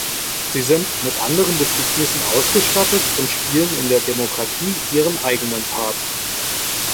Sie sind mit anderen Befugnissen ausgestattet und spielen in der Demokratie Ihren eigenen Part.